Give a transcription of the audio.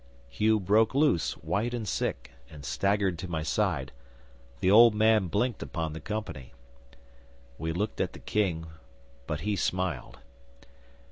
'Hugh broke loose, white and sick, and staggered to my side; the old man blinked upon the company. 'We looked at the King, but he smiled.